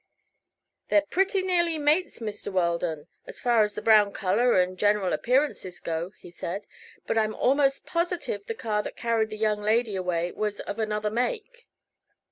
"They're pretty nearly mates, Mr. Weldon. as far as the brown color and general appearances go," he said. "But I'm almost positive the car that carried the young lady away was of another make."